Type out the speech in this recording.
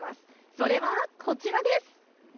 それはこちらです。